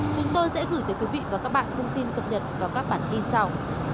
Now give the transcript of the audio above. chúng tôi sẽ gửi tới quý vị và các bạn thông tin cập nhật vào các bản tin sau